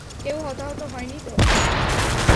কেউ হতাহত হয়নি তো?